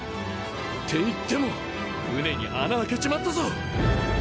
っていっても船に穴開けちまったぞ。